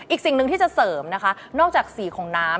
สิ่งหนึ่งที่จะเสริมนะคะนอกจากสีของน้ำ